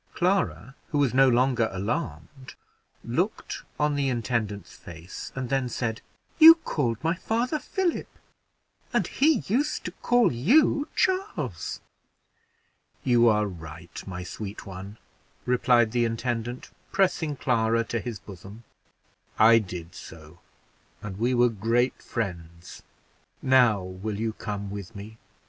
Clara, who was no longer alarmed, looked on the intendant's face, and then said, "You called my father Philip, and he used to call you Charles." "You are right, my sweet one," replied the intendant, pressing Clara to his bosom; "I did so, and we were great friends. Now, will you come with me?